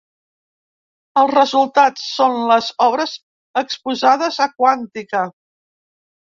Els resultats són les obres exposades a ‘Quàntica’.